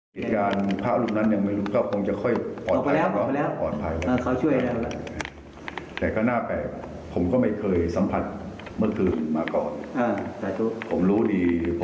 ผมก็เลยมาสวดมนตร์ทำวิธีทอดให้เขาปลดปล่อยเขาไป